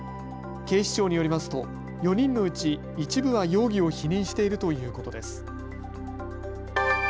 警視庁によりますと４人のうち一部は容疑を否認しているということです。